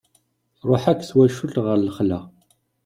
Truḥ akk twacult ɣer lexla.